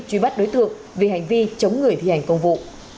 truy bắt đối tượng vì hành vi chống người thi hành công vụ